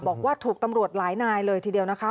บอกว่าถูกตำรวจหลายนายเลยทีเดียวนะคะ